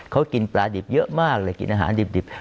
เขากินปลาดิบเยอะมากเลยกินอาหารดิบ